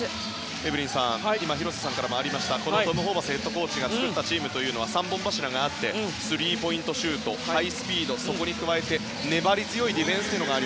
エブリンさん広瀬さんからもありましたがトム・ホーバスヘッドコーチが作ったチームは３本柱があってスリーポイントシュートハイスピード、そこに加えて粘り強いディフェンス。